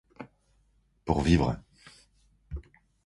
Pour vivre!